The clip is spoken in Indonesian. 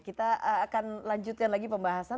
kita akan lanjutkan lagi pembahasan